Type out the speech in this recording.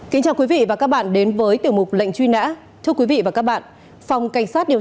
kính chào quý vị và các bạn đến với tiểu mục lệnh truy nã thưa quý vị và các bạn phòng cảnh sát điều